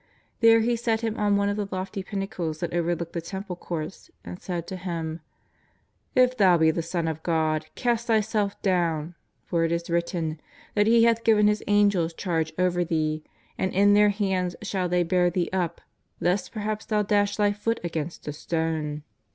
There he set Him on one of the lofty pinnacles that overlooked the Temple Courts and said to Him: ^' If Thou be the Son of God cast Thyself down, for it is written: that He hath given His Angels charge over thee, and in their hands shall they bear thee up lest perhaps thou dash thy foot against a stone."